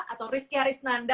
atau rizky haris nanda